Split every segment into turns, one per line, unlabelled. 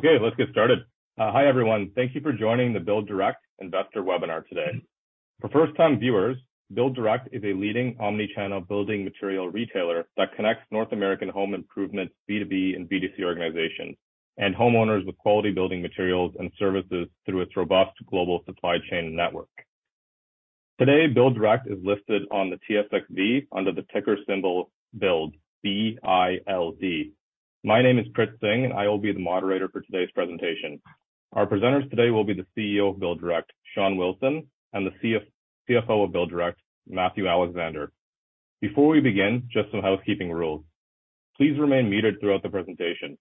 Let's get started. Hi, everyone. Thank you for joining the BuildDirect investor webinar today. For first time viewers, BuildDirect is a leading omni-channel building material retailer that connects North American home improvement B2B and B2C organizations, and homeowners with quality building materials and services through its robust global supply chain network. Today, BuildDirect is listed on the TSXV under the ticker symbol BILD, B-I-L-D. My name is Prit Singh, and I will be the moderator for today's presentation. Our presenters today will be the CEO of BuildDirect, Shawn Wilson, and the CFO of BuildDirect, Matthew Alexander. Before we begin, just some housekeeping rules. Please remain muted throughout the presentation.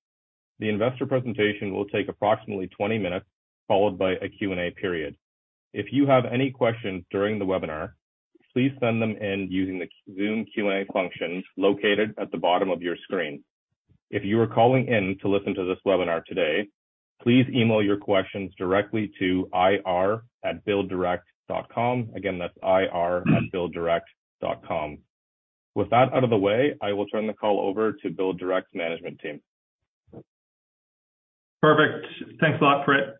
The investor presentation will take approximately 20 minutes, followed by a Q&A period. If you have any questions during the webinar, please send them in using the Zoom Q&A function located at the bottom of your screen. If you are calling in to listen to this webinar today, please email your questions directly to ir@builddirect.com. Again, that's ir@builddirect.com. With that out of the way, I will turn the call over to BuildDirect's management team.
Perfect. Thanks a lot, Prit.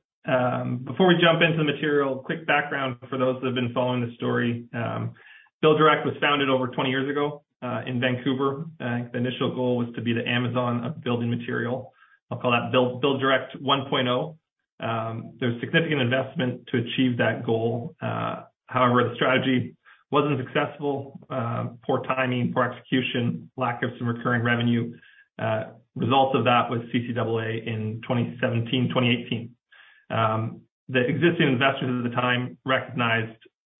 Before we jump into the material, quick background for those that have been following the story. BuildDirect was founded over 20 years ago in Vancouver. The initial goal was to be the Amazon of building material. I'll call that BuildDirect 1.0. There was significant investment to achieve that goal. The strategy wasn't successful. Poor timing, poor execution, lack of some recurring revenue. Results of that was CCAA in 2017, 2018. The existing investors at the time recognized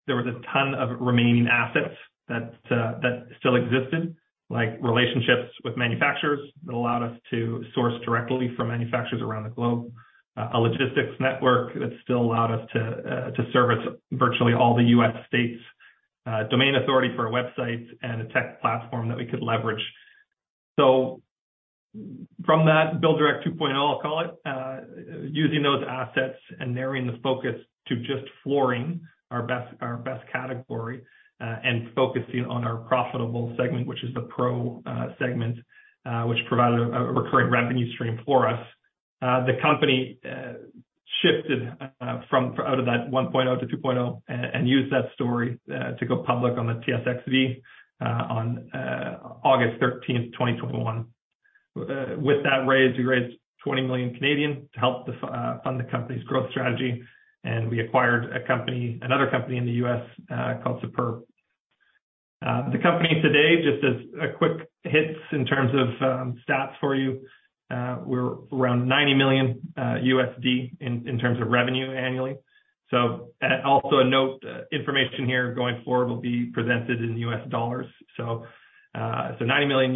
there was a ton of remaining assets that still existed, like relationships with manufacturers that allowed us to source directly from manufacturers around the globe. A logistics network that still allowed us to service virtually all the U.S. states. Domain authority for our websites and a tech platform that we could leverage. From that, BuildDirect 2.0, I'll call it, using those assets and narrowing the focus to just flooring, our best category, and focusing on our profitable segment, which is the pro segment, which provided a recurring revenue stream for us. The company shifted from out of that 1.0 to 2.0 and used that story to go public on the TSXV on August 13th, 2021. With that raise, we raised 20 million to help fund the company's growth strategy, and we acquired another company in the U.S., called Superb. The company today, just as a quick hits in terms of stats for you, we're around $90 million in terms of revenue annually. Also a note, information here going forward will be presented in U.S. dollars. $90 million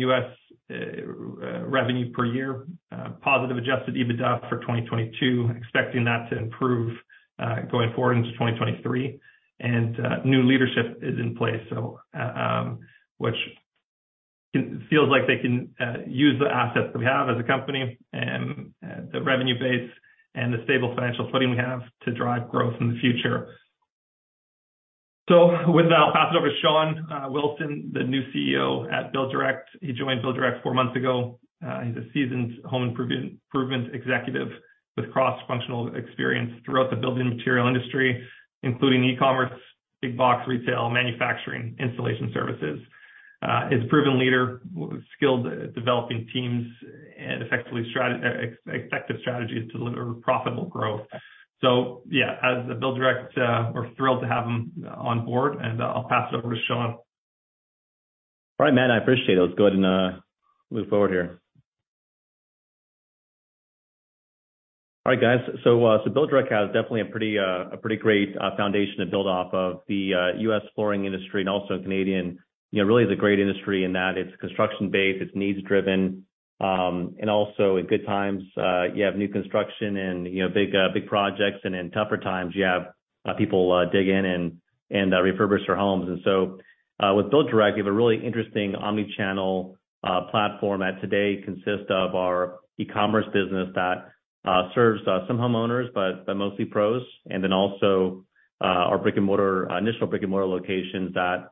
revenue per year. Positive adjusted EBITDA for 2022. Expecting that to improve going forward into 2023. New leadership is in place. Which feels like they can use the assets that we have as a company and the revenue base and the stable financial footing we have to drive growth in the future. With that, I'll pass it over to Shawn Wilson, the new CEO at BuildDirect. He joined BuildDirect 4 months ago. He's a seasoned home improvement executive with cross-functional experience throughout the building material industry, including e-commerce, big box retail, manufacturing, installation services. He's a proven leader, skilled at developing teams and effective strategies to deliver profitable growth. As the BuildDirect, we're thrilled to have him on board, and I'll pass it over to Shawn.
All right, Matt, I appreciate it. Let's go ahead and move forward here. All right, guys. BuildDirect has definitely a pretty, a pretty great foundation to build off of the U.S. flooring industry and also Canadian. You know, really is a great industry in that it's construction-based, it's needs-driven. Also in good times, you have new construction and, you know, big, big projects. In tougher times, you have people dig in and refurbish their homes. With BuildDirect, we have a really interesting omni-channel platform that today consists of our e-commerce business that serves some homeowners, but mostly pros. Then also, our brick-and-mortar, initial brick-and-mortar locations that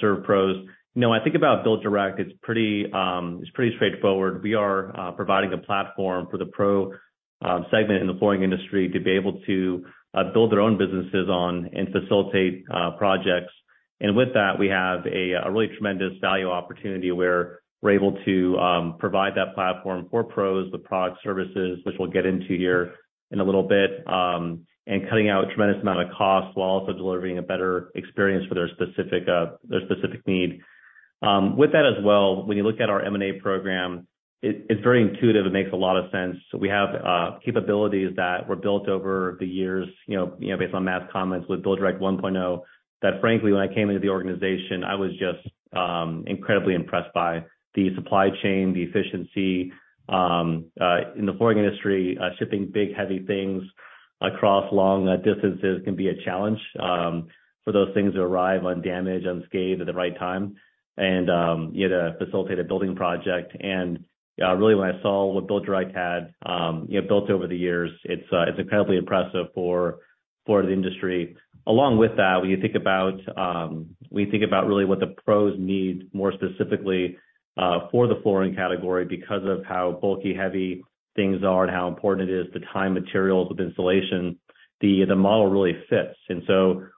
serve pros. You know, I think about BuildDirect, it's pretty, it's pretty straightforward. We are providing a platform for the pro segment in the flooring industry to be able to build their own businesses on and facilitate projects. With that, we have a really tremendous value opportunity where we're able to provide that platform for pros with product services, which we'll get into here in a little bit, and cutting out a tremendous amount of costs while also delivering a better experience for their specific need. With that as well, when you look at our M&A program, it's very intuitive. It makes a lot of sense. We have capabilities that were built over the years, you know, based on Matthew's comments with BuildDirect 1.0, that frankly, when I came into the organization, I was just incredibly impressed by the supply chain, the efficiency. In the flooring industry, shipping big, heavy things across long distances can be a challenge for those things to arrive undamaged, unscathed at the right time and, you know, to facilitate a building project. Really, when I saw what BuildDirect had, you know, built over the years, it's incredibly impressive for the industry. Along with that, when you think about, when you think about really what the pros need, more specifically, for the flooring category because of how bulky, heavy things are and how important it is to tie materials with installation, the model really fits.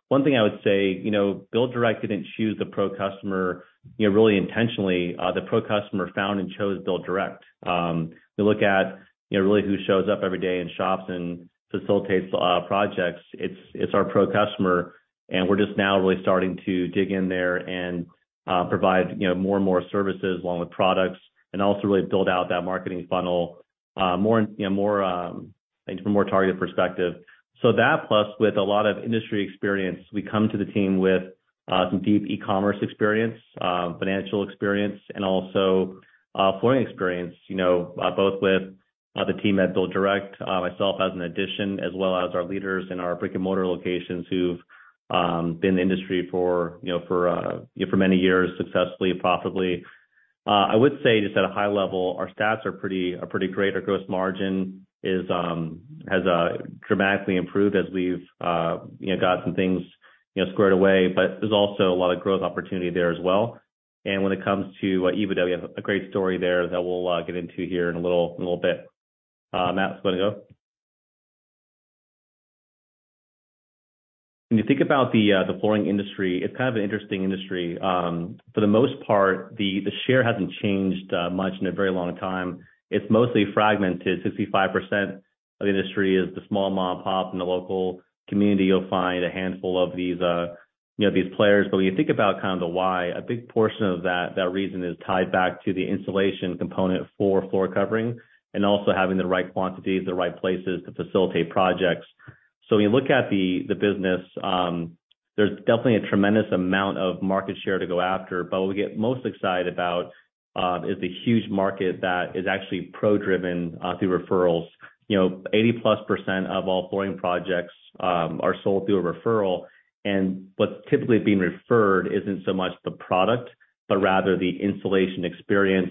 One thing I would say, you know, BuildDirect didn't choose the pro customer, you know, really intentionally. The pro customer found and chose BuildDirect. If you look at, you know, really who shows up every day and shops and facilitates projects, it's our pro customer, and we're just now really starting to dig in there and provide, you know, more and more services along with products, and also really build out that marketing funnel, more, you know, more into more targeted perspective. So that, plus with a lot of industry experience, we come to the team with some deep e-commerce experience, financial experience, and also flooring experience, you know, both with the team at BuildDirect, myself as an addition, as well as our leaders in our brick-and-mortar locations who've been in the industry for, you know, for many years successfully, profitably. I would say just at a high level, our stats are pretty great. Our gross margin is has dramatically improved as we've, you know, got some things, you know, squared away. There's also a lot of growth opportunity there as well. When it comes to EBITDA, we have a great story there that we'll get into here in a little bit. Matt, want to go? When you think about the flooring industry, it's kind of an interesting industry. For the most part, the share hasn't changed much in a very long time. It's mostly fragmented. 65% of the industry is the small mom-and-pop. In the local community, you'll find a handful of these, you know, these players. When you think about kind of the why, a big portion of that reason is tied back to the installation component for floor covering and also having the right quantities, the right places to facilitate projects. When you look at the business, there's definitely a tremendous amount of market share to go after. What we get most excited about is the huge market that is actually pro-driven through referrals. You know, 80%+ of all flooring projects are sold through a referral. What's typically being referred isn't so much the product, but rather the installation experience.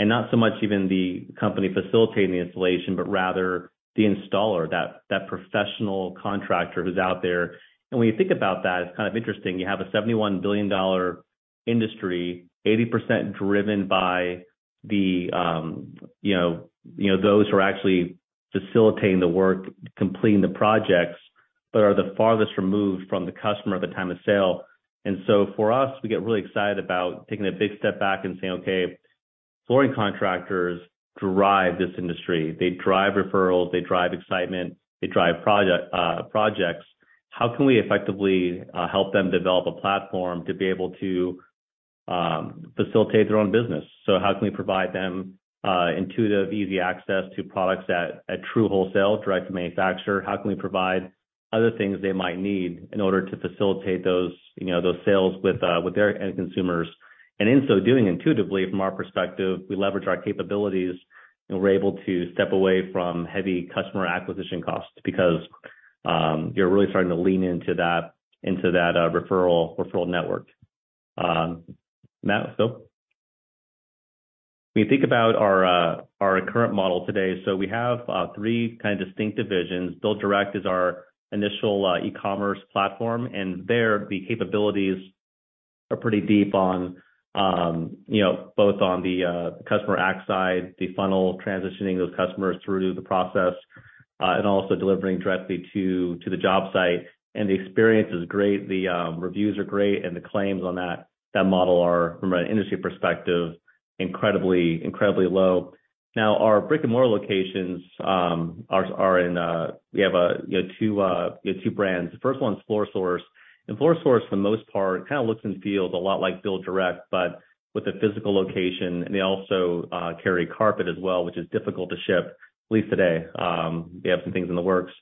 Not so much even the company facilitating the installation, but rather the installer, that professional contractor who's out there. When you think about that, it's kind of interesting. You have a $71 billion industry, 80% driven by the, you know, those who are actually facilitating the work, completing the projects, but are the farthest removed from the customer at the time of sale. For us, we get really excited about taking a big step back and saying, "Okay, flooring contractors derive this industry. They drive referrals, they drive excitement, they drive project, projects. How can we effectively help them develop a platform to be able to facilitate their own business? How can we provide them intuitive, easy access to products at true wholesale, direct to manufacturer? How can we provide other things they might need in order to facilitate those, you know, those sales with their end consumers? In so doing intuitively from our perspective, we leverage our capabilities, and we're able to step away from heavy customer acquisition costs because you're really starting to lean into that referral network. Matt, go. When you think about our current model today, we have three kind of distinct divisions. BuildDirect is our initial e-commerce platform, and there, the capabilities are pretty deep on, you know, both on the customer ac side, the funnel, transitioning those customers through the process, and also delivering directly to the job site. The experience is great, the reviews are great, and the claims on that model are, from an industry perspective, incredibly low. Our brick-and-mortar locations are in, you know, we have two brands. The first one is FloorSource. FloorSource for the most part kind of looks and feels a lot like BuildDirect, but with a physical location. They also carry carpet as well, which is difficult to ship, at least today. We have some things in the works,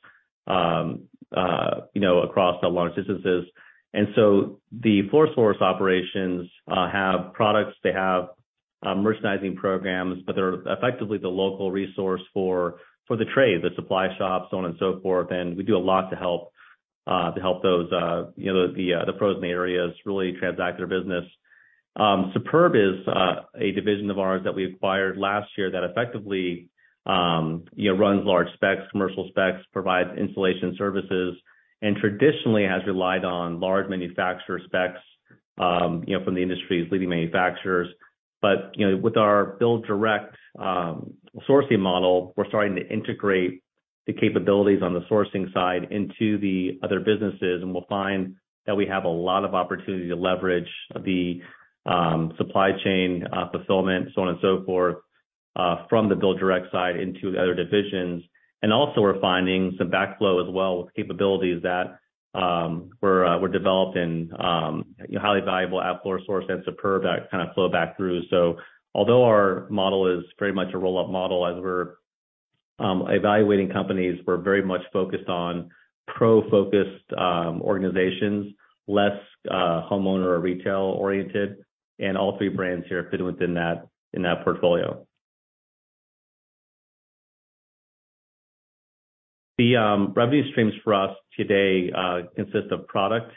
you know, across long distances. The FloorSource operations have products, they have merchandising programs, but they're effectively the local resource for the trade, the supply shops, so on and so forth. We do a lot to help, to help those, you know, the pros in the areas really transact their business. Superb is a division of ours that we acquired last year that effectively, you know, runs large specs, commercial specs, provides installation services, and traditionally has relied on large manufacturer specs, you know, from the industry's leading manufacturers. You know, with our BuildDirect sourcing model, we're starting to integrate the capabilities on the sourcing side into the other businesses. We'll find that we have a lot of opportunity to leverage the supply chain, fulfillment, so on and so forth, from the BuildDirect side into the other divisions. Also we're finding some backflow as well with capabilities that were developed and highly valuable at FloorSource and Superb that kind of flow back through. Although our model is very much a roll-up model, as we're evaluating companies, we're very much focused on pro-focused organizations, less homeowner or retail-oriented, and all three brands here fit within that, in that portfolio. The revenue streams for us today consist of product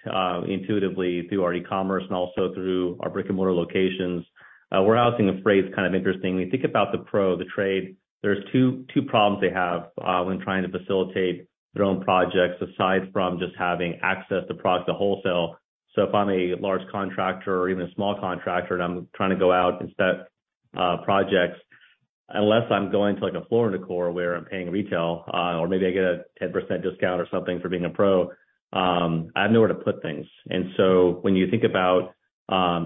intuitively through our e-commerce and also through our brick-and-mortar locations. We're housing a phrase kind of interestingly. Think about the pro, the trade. There's two problems they have when trying to facilitate their own projects, aside from just having access to product to wholesale. If I'm a large contractor or even a small contractor and I'm trying to go out and set projects, unless I'm going to, like, a Floor & Decor where I'm paying retail, or maybe I get a 10% discount or something for being a pro, I have nowhere to put things. When you think about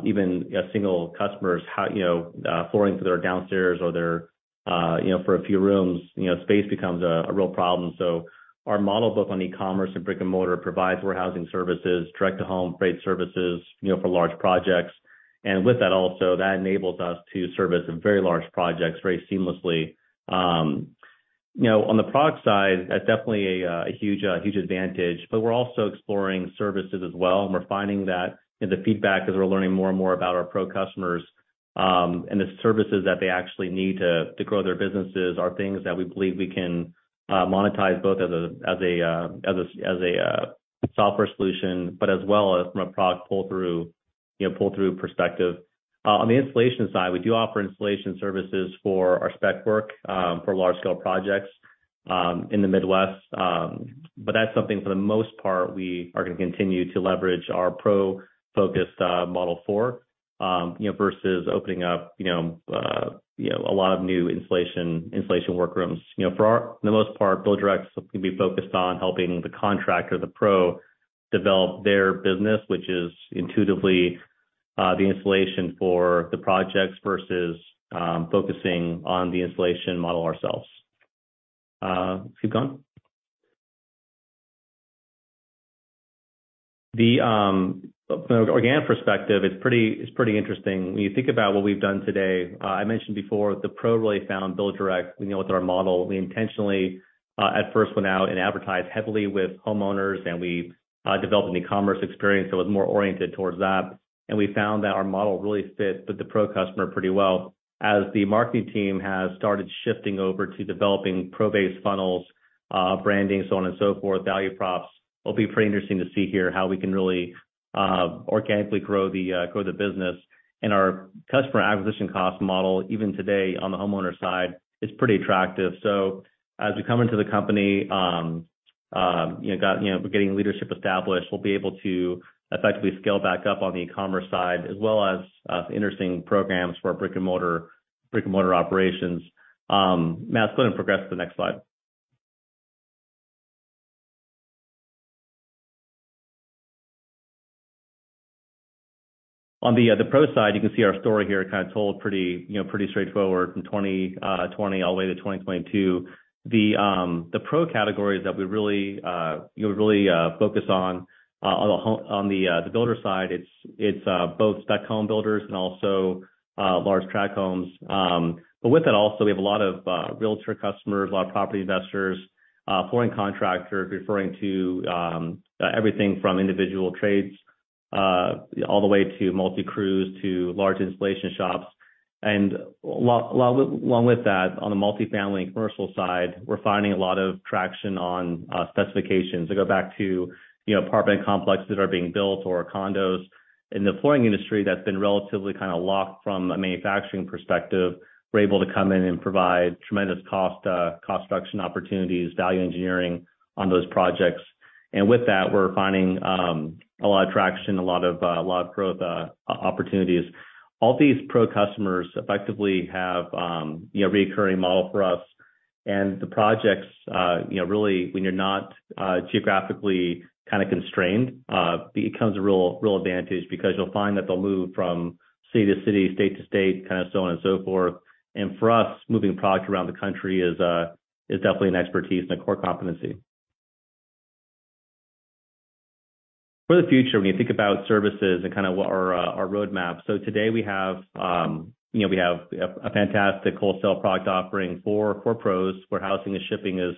even a single customer's how, you know, flooring for their downstairs or their, you know, for a few rooms, you know, space becomes a real problem. Our model both on e-commerce and brick-and-mortar provides warehousing services, direct-to-home freight services, you know, for large projects. With that also, that enables us to service very large projects very seamlessly. you know, on the product side, that's definitely a huge advantage, but we're also exploring services as well. We're finding that in the feedback as we're learning more and more about our pro customers, and the services that they actually need to grow their businesses are things that we believe we can monetize both as a software solution, but as well as from a product pull-through, you know, pull-through perspective. On the installation side, we do offer installation services for our spec work, for large scale projects, in the Midwest. That's something for the most part we are gonna continue to leverage our pro-focused model for, you know, versus opening up, you know, a lot of new installation workrooms. You know, for the most part, BuildDirect is gonna be focused on helping the contractor, the pro, develop their business, which is intuitively the installation for the projects versus focusing on the installation model ourselves. Keep going. The from an organic perspective, it's pretty interesting. When you think about what we've done today, I mentioned before the pro really found BuildDirect, you know, with our model. We intentionally at first went out and advertised heavily with homeowners, and we developed an e-commerce experience that was more oriented towards that. We found that our model really fit with the pro customer pretty well. As the marketing team has started shifting over to developing pro-based funnels, branding, so on and so forth, value props, it'll be pretty interesting to see here how we can really organically grow the business. Our customer acquisition cost model, even today on the homeowner side, is pretty attractive. As we come into the company, you know, we're getting leadership established, we'll be able to effectively scale back up on the e-commerce side as well as interesting programs for our brick-and-mortar operations. Matt, go ahead and progress to the next slide. On the pro side, you can see our story here kind of told pretty, you know, pretty straightforward from 20 all the way to 2022. The pro categories that we really, you know, really focus on on the builder side, it's both spec home builders and also large track homes. But with that also we have a lot of realtor customers, a lot of property investors, flooring contractors referring to everything from individual trades all the way to multi crews to large installation shops. Along with that, on the multifamily and commercial side, we're finding a lot of traction on specifications. They go back to, you know, apartment complexes that are being built or condos. In the flooring industry, that's been relatively kinda locked from a manufacturing perspective. We're able to come in and provide tremendous cost cost reduction opportunities, value engineering on those projects. With that we're finding a lot of traction, a lot of growth opportunities. All these pro customers effectively have, you know, recurring model for us. The projects, you know, really when you're not geographically kinda constrained, becomes a real advantage because you'll find that they'll move from city to city, state to state, kinda so on and so forth. For us, moving product around the country is definitely an expertise and a core competency. For the future, when you think about services and kinda what our roadmap. Today we have, you know, a fantastic wholesale product offering for core pros. Warehousing and shipping has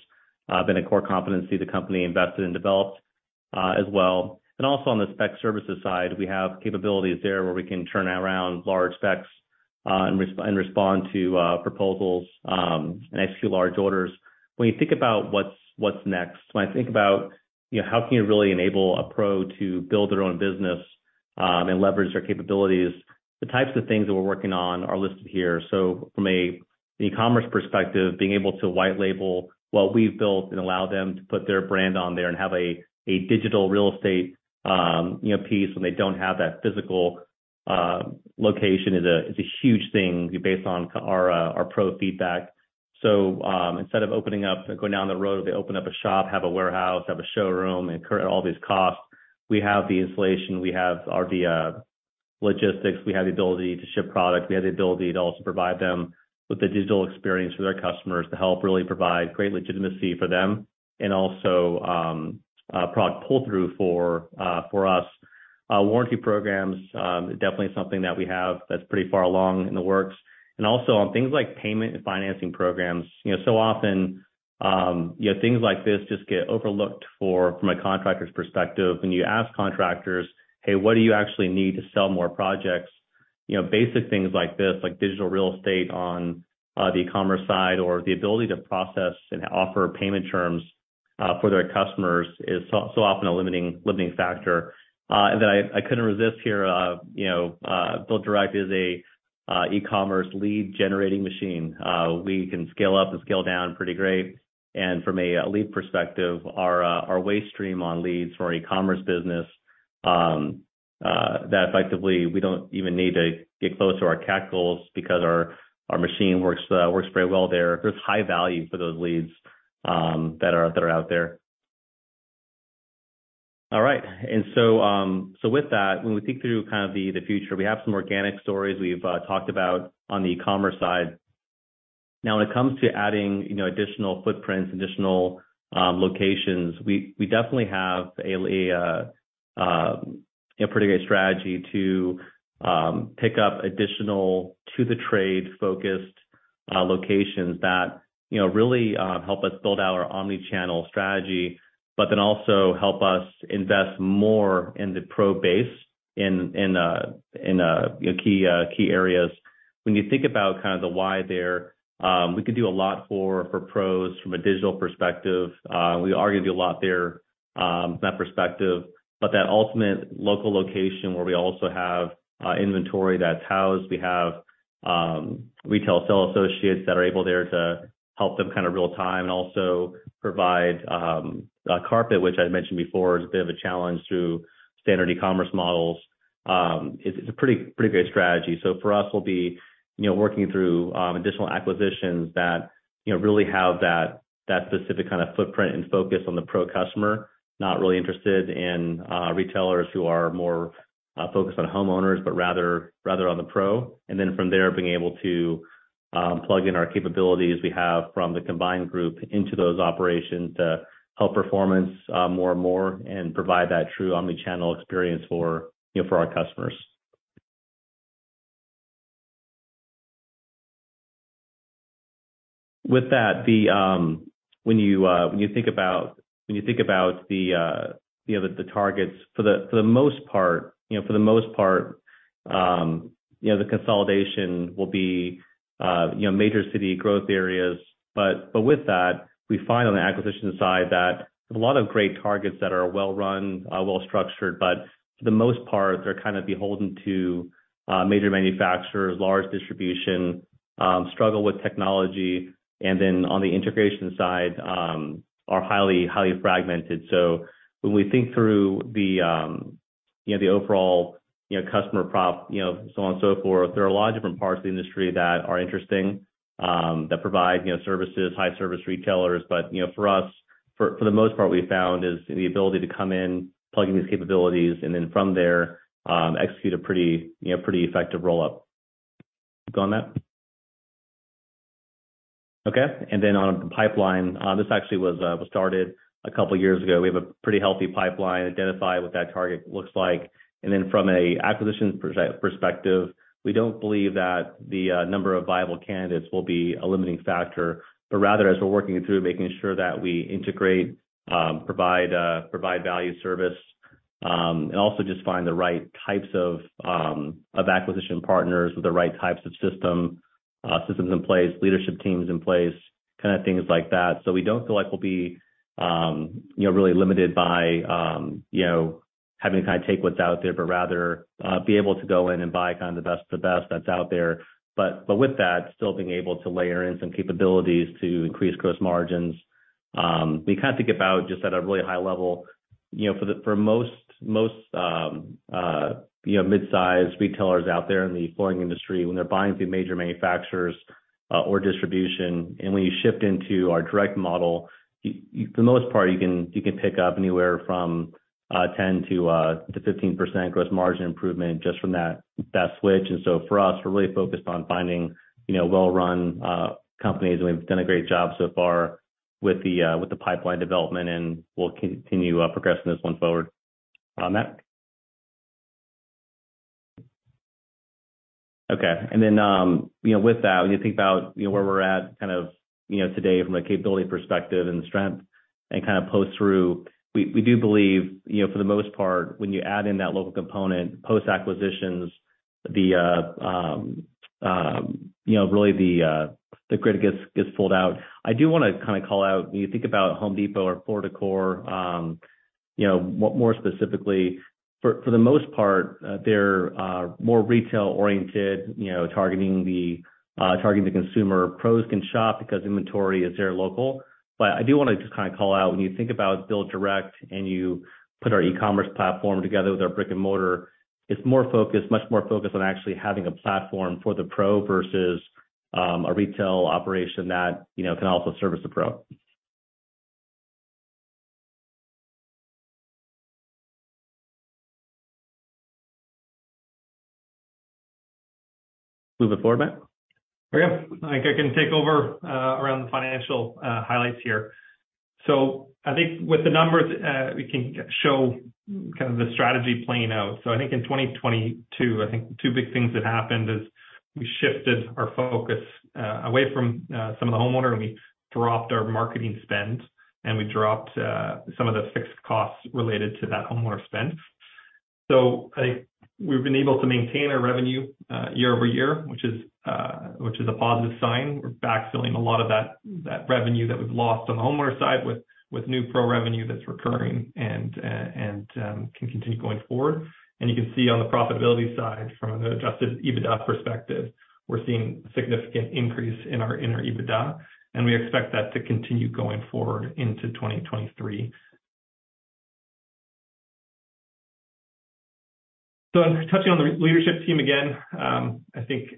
been a core competency the company invested and developed as well. Also on the spec services side, we have capabilities there where we can turn around large specs and respond to proposals and execute large orders. When you think about what's next, when I think about, you know, how can you really enable a pro to build their own business and leverage their capabilities, the types of things that we're working on are listed here. From an e-commerce perspective, being able to white label what we've built and allow them to put their brand on there and have a digital real estate, you know, piece when they don't have that physical location is a huge thing based on our pro feedback. Instead of opening up and going down the road, if they open up a shop, have a warehouse, have a showroom, incur all these costs, we have the installation, we have our via logistics, we have the ability to ship product, we have the ability to also provide them with the digital experience for their customers to help really provide great legitimacy for them and also product pull-through for us. Warranty programs, definitely something that we have that's pretty far along in the works. Also on things like payment and financing programs. You know, so often, you know, things like this just get overlooked for from a contractor's perspective. When you ask contractors, "Hey, what do you actually need to sell more projects?" You know, basic things like this, like digital real estate on the e-commerce side or the ability to process and offer payment terms for their customers is so often a limiting factor. I couldn't resist here. You know, BuildDirect is a e-commerce lead generating machine. We can scale up and scale down pretty great. From a lead perspective, our waste stream on leads for our e-commerce business that effectively we don't even need to get close to our cat goals because our machine works very well there. There's high value for those leads that are out there. All right. With that, when we think through kind of the future, we have some organic stories we've talked about on the e-commerce side. When it comes to adding, you know, additional footprints, additional locations, we definitely have a pretty good strategy to pick up additional to the trade-focused locations that, you know, really help us build out our omni-channel strategy, but then also help us invest more in the pro base in key areas. When you think about kind of the why there, we could do a lot for pros from a digital perspective. We are gonna do a lot there from that perspective. That ultimate local location where we also have inventory that's housed, we have retail sale associates that are able there to help them kind of real time and also provide carpet, which I mentioned before is a bit of a challenge through standard e-commerce models, is a pretty great strategy. For us, we'll be, you know, working through additional acquisitions that, you know, really have that specific kind of footprint and focus on the pro customer. Not really interested in retailers who are more focused on homeowners, but rather on the pro. From there, being able to plug in our capabilities we have from the combined group into those operations to help performance more and more and provide that true omni-channel experience for, you know, for our customers. With that, the when you think about the, you know, the targets, for the most part, you know, for the most part, you know, the consolidation will be, you know, major city growth areas. With that, we find on the acquisition side that there's a lot of great targets that are well-run, well-structured, but for the most part, they're kind of beholden to, major manufacturers, large distribution, struggle with technology, and then on the integration side, are highly fragmented. When we think through the, you know, the overall, you know, customer prof-- you know, so on and so forth, there are a lot of different parts of the industry that are interesting, that provide, you know, services, high service retailers. You know, for us, for the most part, we've found is the ability to come in, plug in these capabilities, and then from there, execute a pretty, you know, pretty effective roll-up. Go on that. Okay. Then on pipeline, this actually was started a couple of years ago. We have a pretty healthy pipeline, identify what that target looks like. And then from an acquisition perspective, we don't believe that the number of viable candidates will be a limiting factor. Rather, as we're working through making sure that we integrate, provide value service, and also just find the right types of acquisition partners with the right types of systems in place, leadership teams in place, kinda things like that. We don't feel like we'll be, you know, really limited by, you know, having to kinda take what's out there, but rather, be able to go in and buy kind of the best of the best that's out there. But with that, still being able to layer in some capabilities to increase gross margins. We kind of think about just at a really high level, you know, for most, you know, mid-size retailers out there in the flooring industry, when they're buying through major manufacturers or distribution, and when you shift into our direct model, the most part, you can pick up anywhere from 10%-15% gross margin improvement just from that switch. For us, we're really focused on finding, you know, well-run companies. We've done a great job so far with the with the pipeline development, and we'll continue progressing this one forward. On that. Okay. You know, with that, when you think about, you know, where we're at kind of, you know, today from a capability perspective and strength and kind of post through, we do believe, you know, for the most part, when you add in that local component, post-acquisitions, you know, really the grid gets pulled out. I do wanna kind of call out, when you think about Home Depot or Floor & Decor, you know, more specifically, for the most part, they're more retail-oriented, you know, targeting the consumer. Pros can shop because inventory is very local. I do wanna just kind of call out when you think about BuildDirect and you put our e-commerce platform together with our brick-and-mortar, it's more focused, much more focused on actually having a platform for the pro versus a retail operation that, you know, can also service the pro. Move it forward, Matt.
Yeah. I think I can take over around the financial highlights here. I think with the numbers, we can show kind of the strategy playing out. I think in 2022, I think two big things that happened is we shifted our focus away from some of the homeowner, and we dropped our marketing spend, and we dropped some of the fixed costs related to that homeowner spend. We've been able to maintain our revenue year-over-year, which is a positive sign. We're backfilling a lot of that revenue that we've lost on the homeowner side with new pro revenue that's recurring and can continue going forward. You can see on the profitability side from an adjusted EBITDA perspective, we're seeing significant increase in our EBITDA, and we expect that to continue going forward into 2023. Touching on the leadership team again, I think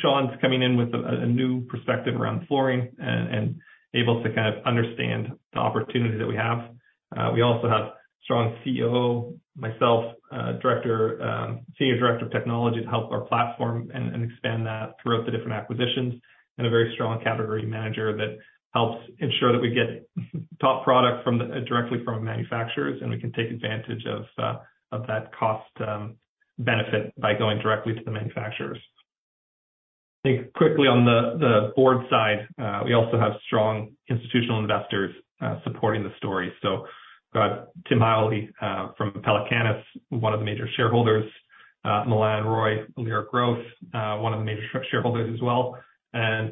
Shawn's coming in with a new perspective around flooring and able to kind of understand the opportunity that we have. We also have strong CEO, myself, senior director of technology to help our platform and expand that throughout the different acquisitions, and a very strong category manager that helps ensure that we get top product directly from manufacturers, and we can take advantage of that cost benefit by going directly to the manufacturers. I think quickly on the board side, we also have strong institutional investors supporting the story. Got Timothy Howley from Pelecanus, one of the major shareholders. Milan Roy, Lyra Growth, one of the major shareholders as well. As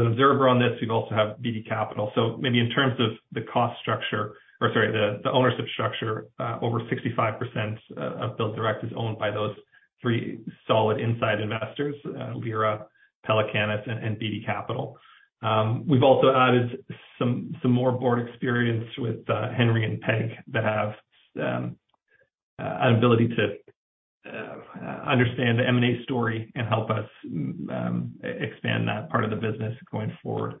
an observer on this, we also have BDC Capital. Maybe in terms of the cost structure or, sorry, the ownership structure, over 65% of BuildDirect is owned by those three solid inside investors, Lyra, Pelecanus, and BDC Capital. We've also added some more board experience with Henry and Peg that have an ability to understand the M&A story and help us expand that part of the business going forward.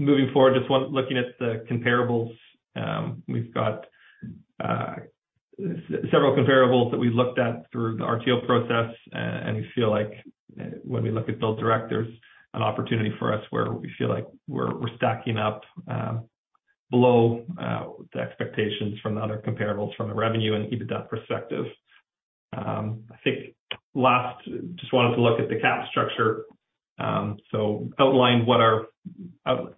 Moving forward, just looking at the comparables, we've got several comparables that we looked at through the RTO process. We feel like when we look at BuildDirect, there's an opportunity for us where we feel like we're stacking up below the expectations from the other comparables from a revenue and EBITDA perspective. I think last, just wanted to look at the cap structure. Outline what our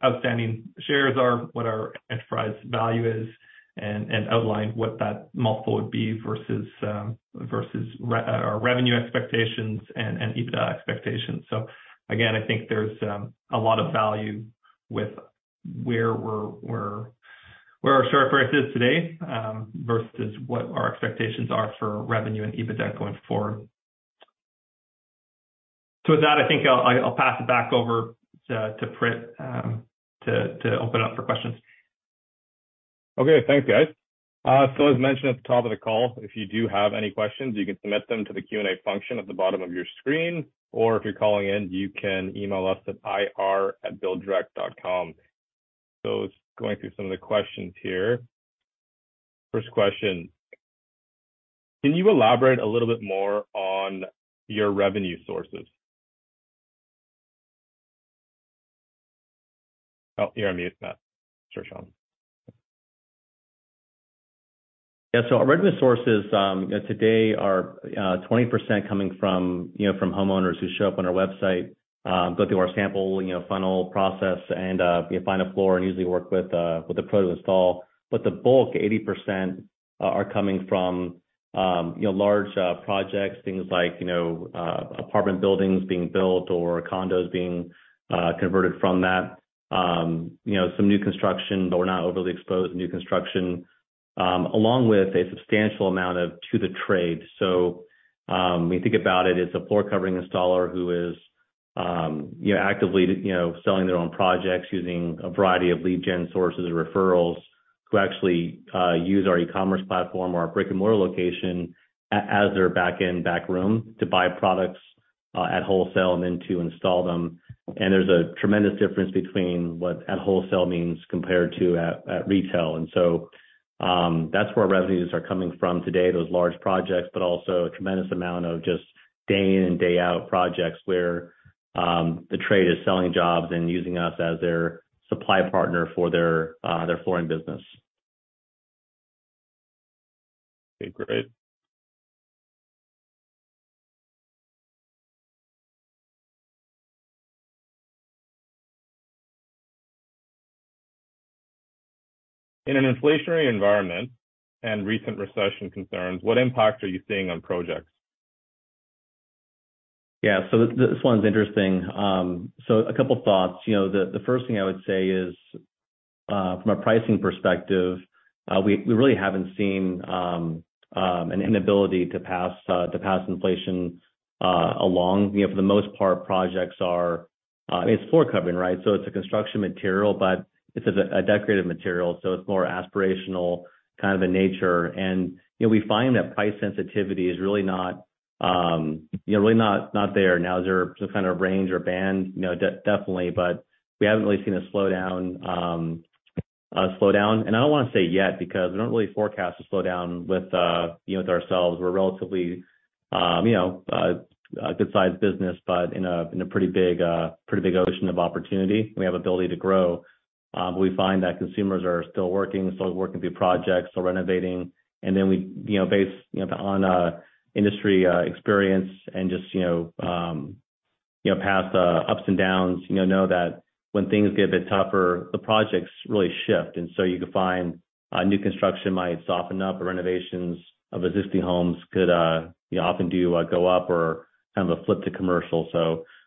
outstanding shares are, what our enterprise value is, and outline what that multiple would be versus our revenue expectations and EBITDA expectations. Again, I think there's a lot of value with where we're where our share price is today versus what our expectations are for revenue and EBITDA going forward. With that, I think I'll pass it back over to Prit to open up for questions.
Okay. Thanks, guys. As mentioned at the top of the call, if you do have any questions, you can submit them to the Q&A function at the bottom of your screen, or if you're calling in, you can email us at ir@builddirect.com. Just going through some of the questions here. First question, can you elaborate a little bit more on your revenue sources? Oh, you're on mute, Shawn.
Our revenue sources today are 20% coming from, you know, from homeowners who show up on our website, go through our sample, you know, funnel process and find a floor and usually work with a pro to install. The bulk, 80% are coming from, you know, large projects, things like, you know, apartment buildings being built or condos being converted from that. You know, some new construction, but we're not overly exposed to new construction, along with a substantial amount of to the trade. When you think about it's a floor covering installer who is, you know, actively, you know, selling their own projects using a variety of lead gen sources and referrals who actually use our e-commerce platform or our brick-and-mortar location as their back end, back room to buy products at wholesale and then to install them. There's a tremendous difference between what at wholesale means compared to at retail. That's where our revenues are coming from today, those large projects, but also a tremendous amount of just day in and day out projects where the trade is selling jobs and using us as their supply partner for their flooring business.
Okay, great. In an inflationary environment and recent recession concerns, what impact are you seeing on projects?
This one's interesting. A couple thoughts. You know, the first thing I would say is from a pricing perspective, we really haven't seen an inability to pass inflation along. You know, for the most part, projects are... I mean, it's floor covering, right? So it's a construction material, but it's a decorative material, so it's more aspirational kind of a nature. You know, we find that price sensitivity is really not, you know, really not there. Now, is there some kind of range or band? You know, definitely. We haven't really seen a slowdown. I don't wanna say yet, because we don't really forecast a slowdown with, you know, with ourselves. We're relatively, you know, a good-sized business, but in a pretty big ocean of opportunity. We have ability to grow. We find that consumers are still working through projects, still renovating. We, you know, based, you know, on industry experience and just, you know, past ups and downs, you know that when things get a bit tougher, the projects really shift. You could find new construction might soften up or renovations of existing homes could, you know, often do go up or kind of a flip to commercial.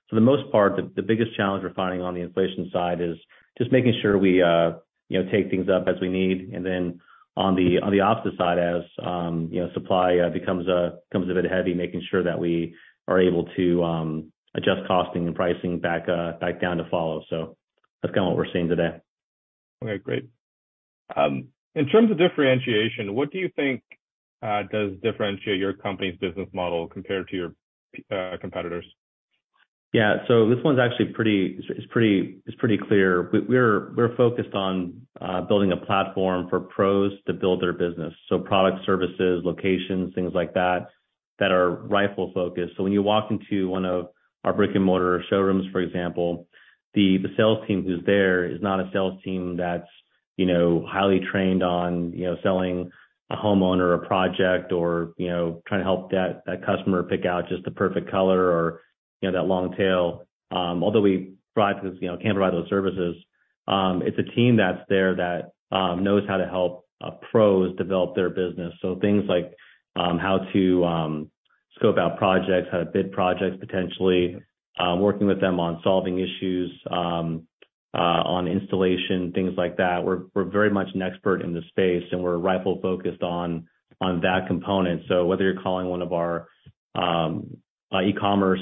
For the most part, the biggest challenge we're finding on the inflation side is just making sure we, you know, take things up as we need. On the, on the opposite side, as, you know, supply becomes a bit heavy, making sure that we are able to adjust costing and pricing back back down to follow. That's kind of what we're seeing today. Okay, great. In terms of differentiation, what do you think does differentiate your company's business model compared to your competitors? This one's actually pretty clear. We're focused on building a platform for pros to build their business, so product services, locations, things like that are rifle-focused. When you walk into one of our brick-and-mortar showrooms, for example, the sales team who's there is not a sales team that's, you know, highly trained on, you know, selling a homeowner a project or, you know, trying to help that customer pick out just the perfect color or, you know, that long tail. Although we provide those, you know, can provide those services, it's a team that's there that knows how to help pros develop their business. Things like how to scope out projects, how to bid projects, potentially, working with them on solving issues on installation, things like that. We're very much an expert in the space, and we're rifle focused on that component. Whether you're calling one of our e-commerce,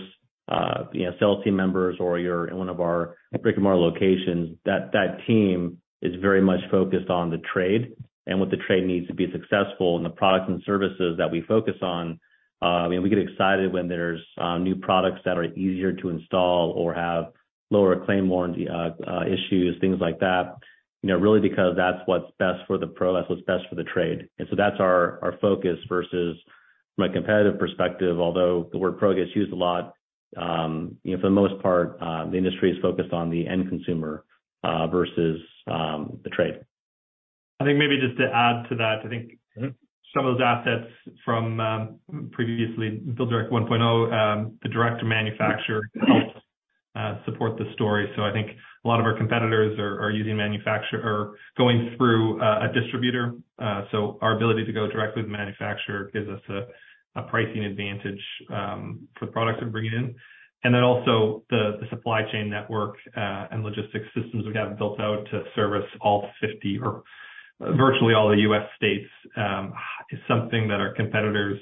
you know, sales team members or you're in one of our brick-and-mortar locations, that team is very much focused on the trade and what the trade needs to be successful and the products and services that we focus on. I mean, we get excited when there's new products that are easier to install or have lower claim warranty issues, things like that, you know, really because that's what's best for the pro, that's what's best for the trade. That's our focus versus from a competitive perspective, although the word pro gets used a lot, you know, for the most part, the industry is focused on the end consumer versus the trade.
I think maybe just to add to that...
Mm-hmm.
Some of those assets from previously BuildDirect 1.0, the direct manufacturer helps support the story. I think a lot of our competitors are using manufacturer or going through a distributor. Our ability to go directly with the manufacturer gives us a pricing advantage for the products we're bringing in. Also the supply chain network and logistics systems we have built out to service all 50 or virtually all the U.S. states is something that our competitors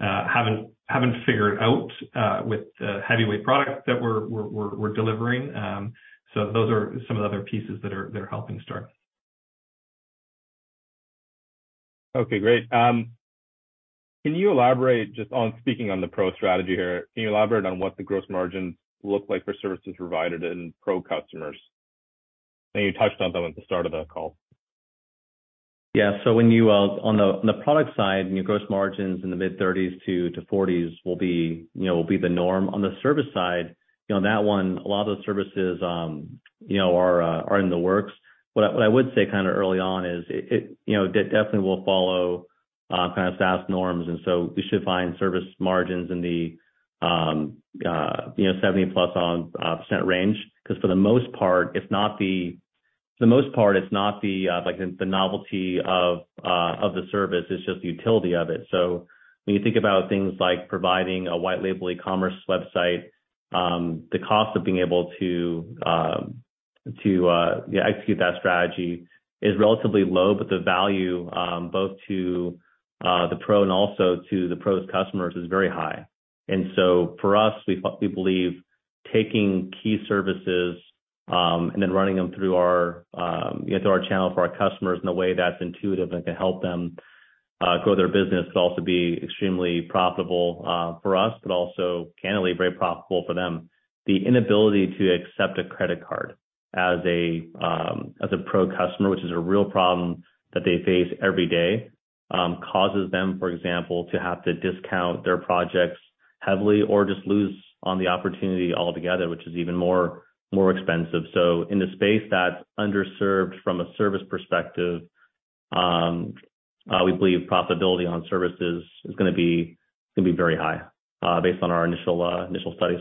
haven't figured out with the heavyweight product that we're delivering. Those are some of the other pieces that are helping start.
Okay, great. Can you elaborate just on speaking on the pro strategy here, can you elaborate on what the gross margins look like for services provided in pro customers? I know you touched on them at the start of the call.
Yeah. When you on the product side, you know, gross margins in the mid-30s%-40% will be, you know, will be the norm. On the service side, you know, that one, a lot of the services, you know, are in the works. What I would say kinda early on is it, you know, definitely will follow kind of SaaS norms. We should find service margins in the, you know, 70%+ range, 'cause for the most part, it's not the... For the most part, it's not the like the novelty of the service, it's just the utility of it. When you think about things like providing a white label e-commerce website, the cost of being able to execute that strategy is relatively low, but the value, both to the pro and also to the pro's customers is very high. For us, we believe taking key services and then running them through our, you know, through our channel for our customers in a way that's intuitive and can help them grow their business could also be extremely profitable for us, but also candidly very profitable for them. The inability to accept a credit card as a pro customer, which is a real problem that they face every day, causes them, for example, to have to discount their projects heavily or just lose on the opportunity altogether, which is even more expensive. In the space that's underserved from a service perspective, we believe profitability on services is gonna be very high, based on our initial studies.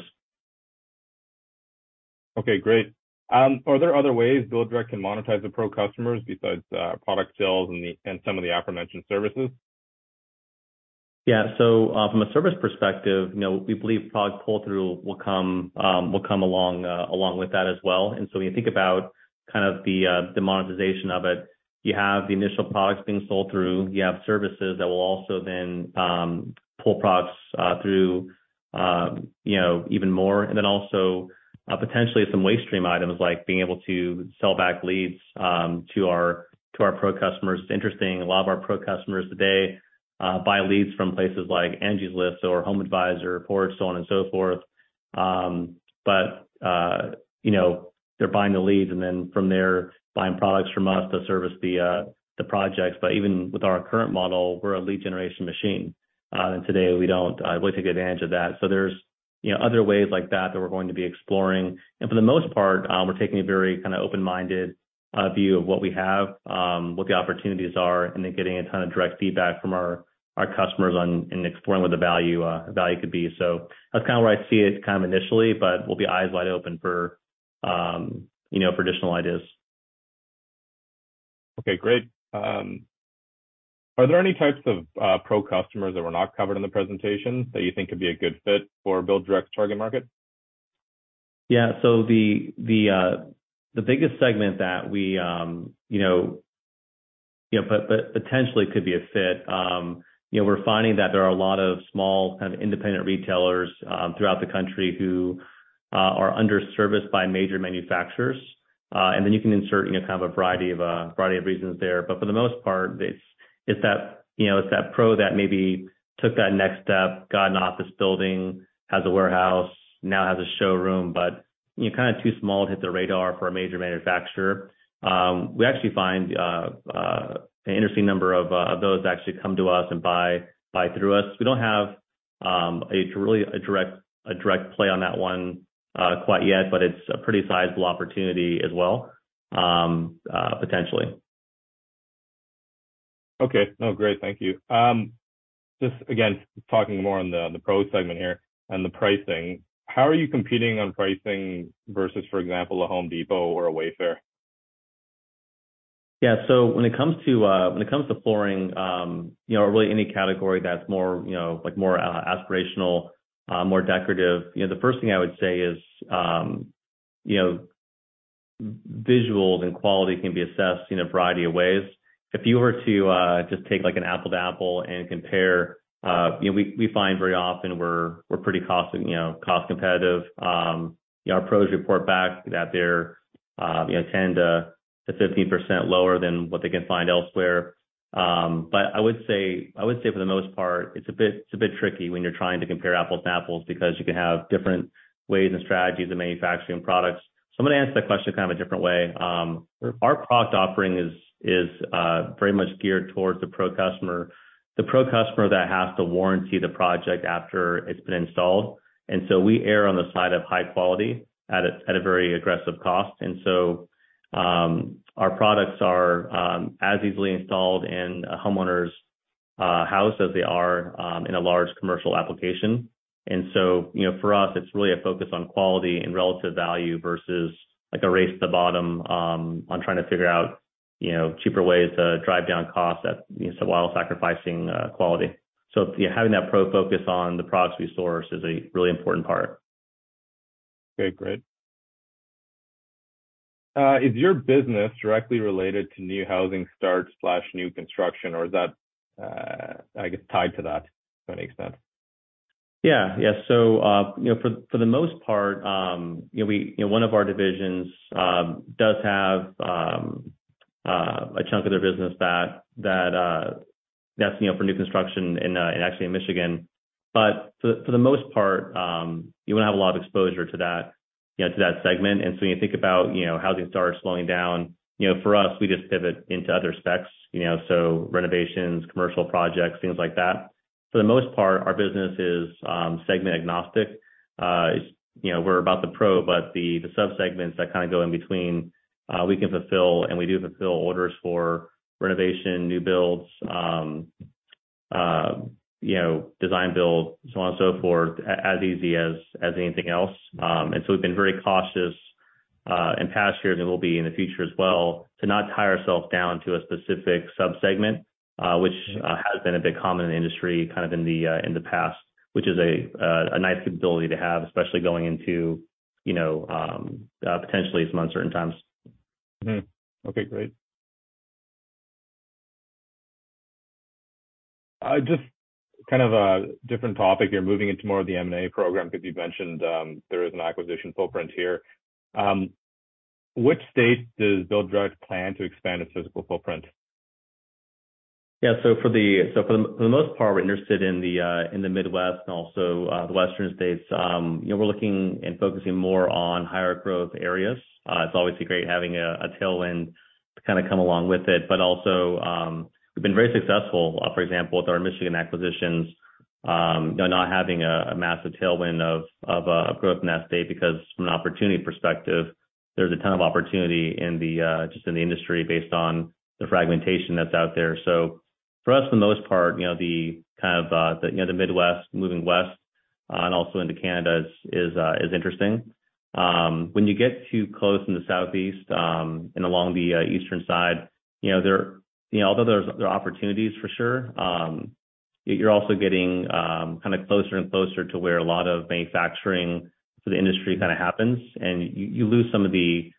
Okay, great. Are there other ways BuildDirect can monetize the pro customers besides product sales and some of the aforementioned services?
Yeah. From a service perspective, you know, we believe product pull-through will come along with that as well. When you think about kind of the monetization of it, you have the initial products being sold through, you have services that will also then pull products through, you know, even more. Also, potentially some waste stream items like being able to sell back leads to our pro customers. It's interesting, a lot of our pro customers today buy leads from places like Angi or HomeAdvisor, Porch, so on and so forth. You know, they're buying the leads, and then from there, buying products from us to service the projects. Even with our current model, we're a lead generation machine. Today we don't really take advantage of that. There's, you know, other ways like that that we're going to be exploring. For the most part, we're taking a very kind of open-minded view of what we have, what the opportunities are, and then getting a ton of direct feedback from our customers on and exploring what the value could be. That's kind of where I see it kind of initially, but we'll be eyes wide open for, you know, for additional ideas.
Okay, great. Are there any types of pro customers that were not covered in the presentation that you think could be a good fit for BuildDirect's target market?
Yeah. The biggest segment that we, you know, Yeah, but potentially could be a fit. You know, we're finding that there are a lot of small kind of independent retailers throughout the country who are under-serviced by major manufacturers. Then you can insert, you know, kind of a variety of, variety of reasons there. For the most part, it's that, you know, it's that pro that maybe took that next step, got an office building, has a warehouse, now has a showroom, but, you know, kind of too small to hit the radar for a major manufacturer. We actually find an interesting number of those actually come to us and buy through us. We don't have a really a direct play on that one quite yet, but it's a pretty sizable opportunity as well, potentially.
Okay. No, great. Thank you. Just again, talking more on the pro segment here and the pricing. How are you competing on pricing versus, for example, a Home Depot or a Wayfair?
Yeah. When it comes to, when it comes to flooring, you know, or really any category that's more, you know, like more aspirational, more decorative, you know, the first thing I would say is, you know, visuals and quality can be assessed in a variety of ways. If you were to just take like an apple to apple and compare, you know, we find very often we're pretty cost, you know, cost competitive. You know, our pros report back that they're, you know, 10%-15% lower than what they can find elsewhere. I would say for the most part, it's a bit tricky when you're trying to compare apples to apples because you can have different ways and strategies of manufacturing products. I'm gonna answer that question kind of a different way. Our product offering is very much geared towards the pro customer. The pro customer that has to warranty the project after it's been installed. We err on the side of high quality at a very aggressive cost. Our products are as easily installed in a homeowner's house as they are in a large commercial application. You know, for us, it's really a focus on quality and relative value versus like a race to the bottom on trying to figure out, you know, cheaper ways to drive down costs while sacrificing quality. Yeah, having that pro focus on the products we source is a really important part.
Okay, great. Is your business directly related to new housing starts/new construction or is that, I guess, tied to that to any extent?
Yeah. Yeah. You know, for the most part, you know, we, you know, one of our divisions, does have, a chunk of their business that, that's, you know, for new construction in, actually in Michigan. For, for the most part, we wouldn't have a lot of exposure to that, you know, to that segment. You think about, you know, housing starts slowing down. You know, for us, we just pivot into other specs, you know, so renovations, commercial projects, things like that. For the most part, our business is, segment agnostic. You know, we're about the pro, but the subsegments that kinda go in between, we can fulfill and we do fulfill orders for renovation, new builds, you know, design build, so on and so forth, as easy as anything else. We've been very cautious in past years, and we'll be in the future as well, to not tie ourselves down to a specific subsegment, which has been a bit common in the industry kind of in the past, which is a nice capability to have, especially going into, you know, potentially some uncertain times.
Okay, great. Just kind of a different topic here, moving into more of the M&A program, because you mentioned, there is an acquisition footprint here. Which state does BuildDirect plan to expand its physical footprint?
Yeah. For the most part, we're interested in the Midwest and also the Western states. You know, we're looking and focusing more on higher growth areas. It's obviously great having a tailwind to kind of come along with it. Also, we've been very successful, for example, with our Michigan acquisitions, you know, not having a massive tailwind of growth in that state because from an opportunity perspective, there's a ton of opportunity in the just in the industry based on the fragmentation that's out there. For us, for the most part, you know, the kind of, you know, the Midwest moving west and also into Canada is interesting. When you get too close in the Southeast, and along the eastern side, you know, although there's, there are opportunities for sure, you're also getting kind of closer and closer to where a lot of manufacturing for the industry kind of happens, and you lose some of the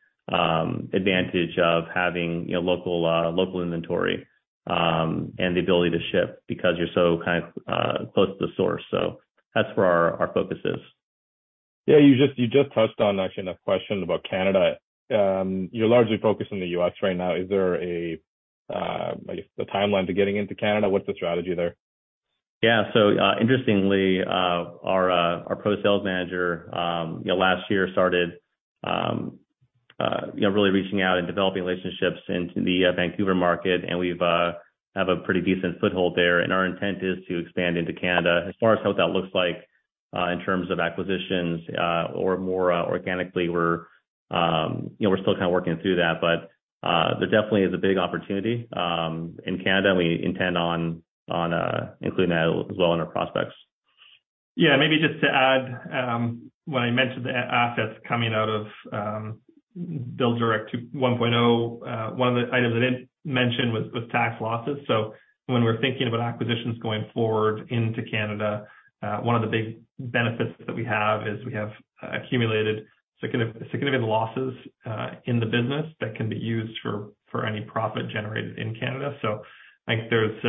advantage of having, you know, local inventory, and the ability to ship because you're so kind of close to the source. That's where our focus is.
Yeah. You just touched on actually on a question about Canada. You're largely focused on the U.S. right now. Is there a, I guess the timeline to getting into Canada? What's the strategy there?
Yeah. Interestingly, our pro sales manager, you know, last year started, you know, really reaching out and developing relationships into the Vancouver market, and we've have a pretty decent foothold there. Our intent is to expand into Canada. As far as how that looks like, in terms of acquisitions or more organically, we're, you know, we're still kind of working through that. There definitely is a big opportunity in Canada, and we intend on including that as well in our prospects.
Yeah. Maybe just to add, when I mentioned the assets coming out of BuildDirect 1.0, one of the items I didn't mention was tax losses. When we're thinking about acquisitions going forward into Canada, one of the big benefits that we have is we have accumulated significant losses in the business that can be used for any profit generated in Canada. I think there's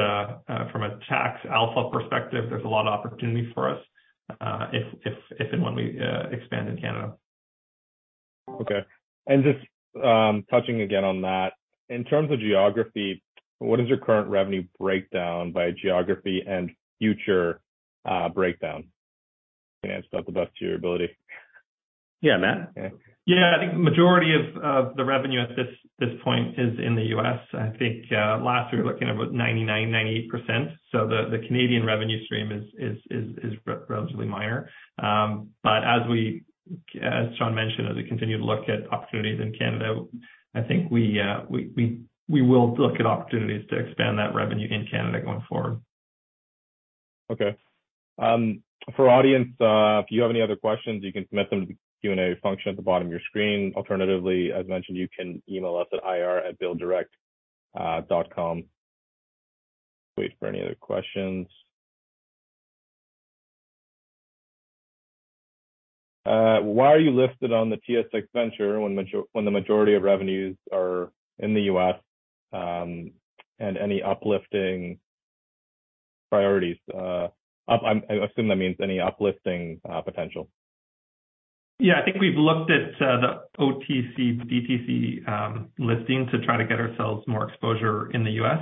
from a tax alpha perspective, there's a lot of opportunity for us if and when we expand in Canada.
Okay. Just touching again on that, in terms of geography, what is your current revenue breakdown by geography and future breakdown? You can answer that the best to your ability.
Yeah, Matt.
Yeah. I think majority of the revenue at this point is in the U.S. I think last year we're looking at about 99%, 98%. The Canadian revenue stream is relatively minor. As Shawn mentioned, as we continue to look at opportunities in Canada, I think we will look at opportunities to expand that revenue in Canada going forward.
Okay. For our audience, if you have any other questions, you can submit them to the Q&A function at the bottom of your screen. Alternatively, as mentioned, you can email us at ir@builddirect.com. Wait for any other questions. Why are you listed on the TSX Venture when the majority of revenues are in the US, and any uplifting priorities? I assume that means any uplifting potential.
I think we've looked at the OTC/DTC listing to try to get ourselves more exposure in the U.S.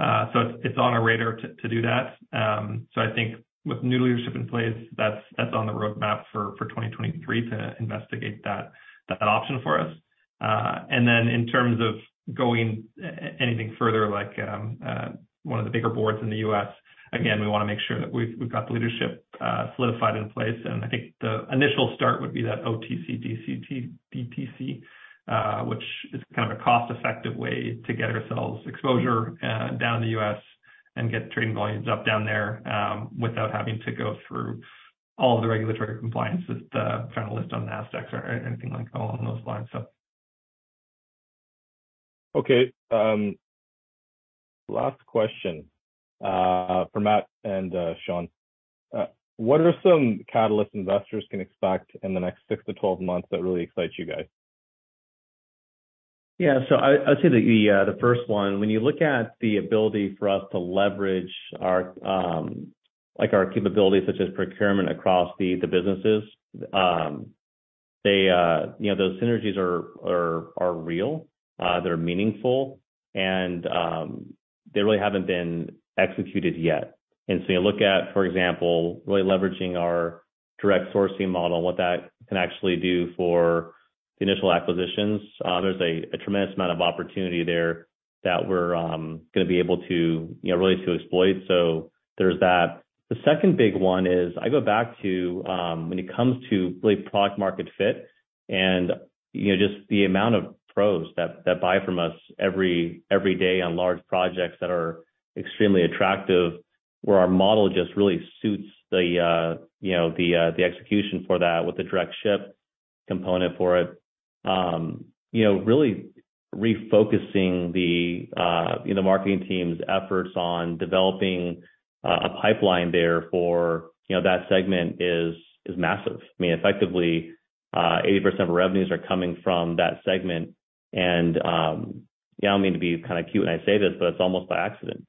It's on our radar to do that. I think with new leadership in place, that's on the roadmap for 2023 to investigate that option for us. In terms of going anything further, like, one of the bigger boards in the U.S., again, we wanna make sure that we've got the leadership solidified in place. I think the initial start would be that OTC DTC, which is kind of a cost-effective way to get ourselves exposure down in the U.S. and get trading volumes up down there, without having to go through all the regulatory compliance that trying to list on Nasdaq or anything like along those lines.
Okay. Last question for Matt and Shawn. What are some catalyst investors can expect in the next 6-12 months that really excites you guys?
I'd say the first one, when you look at the ability for us to leverage our, like, our capabilities such as procurement across the businesses, you know, those synergies are real. They're meaningful and they really haven't been executed yet. You look at, for example, really leveraging our direct sourcing model and what that can actually do for the initial acquisitions, there's a tremendous amount of opportunity there that we're gonna be able to, you know, really to exploit. There's that. The second big one is I go back to, when it comes to really product market fit and, you know, just the amount of pros that buy from us every day on large projects that are extremely attractive, where our model just really suits the, you know, the execution for that with the direct ship component for it. You know, really refocusing the, you know, marketing team's efforts on developing a pipeline there for, you know, that segment is massive. I mean, effectively, 80% of revenues are coming from that segment. Yeah, I don't mean to be kinda cute when I say this, but it's almost by accident,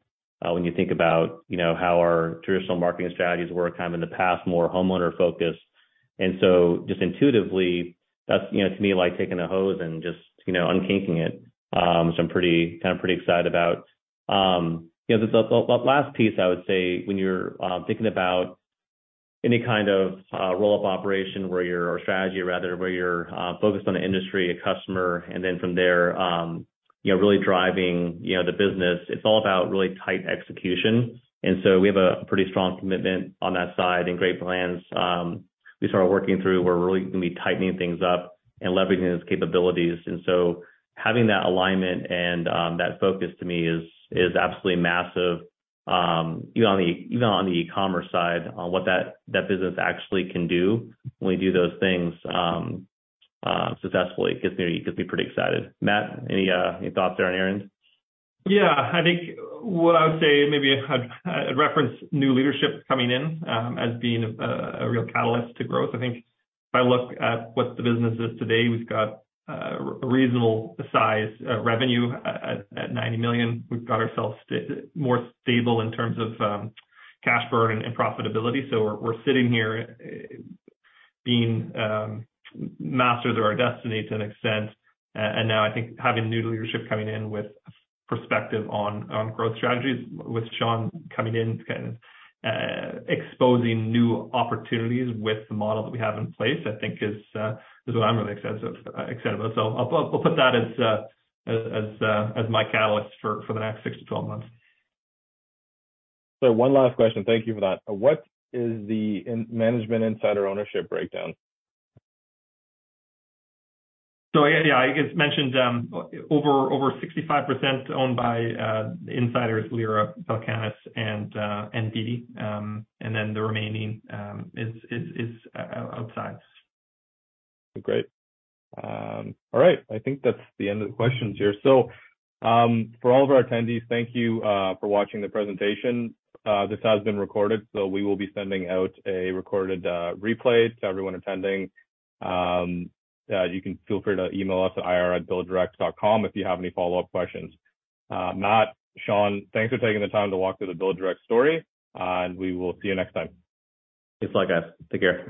when you think about, you know, how our traditional marketing strategies work kind of in the past, more homeowner-focused. Just intuitively, that's, you know, to me like taking a hose and just, you know, unkinking it. So I'm pretty, kind of pretty excited about. You know, the, the last piece I would say when you're thinking about any kind of roll-up operation where you're or strategy rather, where you're focused on an industry, a customer, and then from there, you know, really driving, you know, the business, it's all about really tight execution. We have a pretty strong commitment on that side and great plans we started working through. We're really gonna be tightening things up and leveraging those capabilities. Having that alignment and that focus to me is absolutely massive, even on the e-commerce side, on what that business actually can do when we do those things successfully gets me pretty excited. Matt, any thoughts there on your end?
I think what I would say, maybe I'd reference new leadership coming in as being a real catalyst to growth. I think if I look at what the business is today, we've got reasonable size revenue at $90 million. We've got ourselves more stable in terms of cash burn and profitability. We're sitting here being masters of our destiny to an extent. Now I think having new leadership coming in with perspective on growth strategies, with Shawn coming in kind of exposing new opportunities with the model that we have in place, I think is what I'm really excited about. I'll put that as as my catalyst for the next 6-12 months.
One last question. Thank you for that. What is the management insider ownership breakdown?
yeah. I guess mentioned, over 65% owned by insiders, Lyra, Pelecanus and Deedee. The remaining is outside.
Great. All right. I think that's the end of the questions here. For all of our attendees, thank you for watching the presentation. This has been recorded, so we will be sending out a recorded replay to everyone attending. You can feel free to email us at ir@BuildDirect.com if you have any follow-up questions. Matt, Shawn, thanks for taking the time to walk through the BuildDirect story, and we will see you next time.
Thanks a lot, guys. Take care.